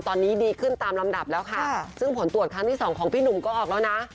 ตอนนี้ดีขึ้นตามลำดับแล้วค่ะซึ่งผลตรวจครั้งที่สองของพี่หนุ่มก็ออกแล้วนะ